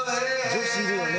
「女子いるよね」